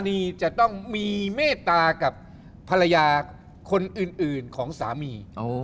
นี่จะต้องมีเมตตากับภรรยาคนอื่นของสามี